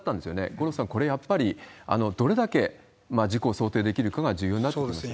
五郎さん、これ、やっぱりどれだけ事故を想定できるかが重要になってきますよね。